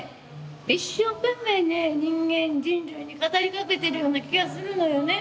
一生懸命ね人間人類に語りかけてるような気がするのよね。